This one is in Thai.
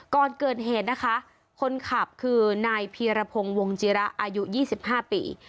ก่อนเกิดเหตุนะคะคนขับคือนายพีรพงศ์วงจิระอายุ๒๕ปี